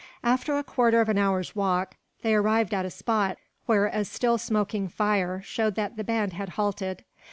After a quarter of an hour's walk, they arrived at the spot where a still smoking fire showed that the band had halted.